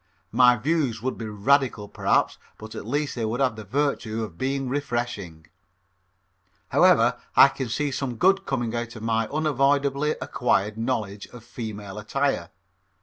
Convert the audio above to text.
My views would be radical perhaps but at least they would have the virtue of being refreshing. However, I can see some good coming out of my unavoidably acquired knowledge of female attire.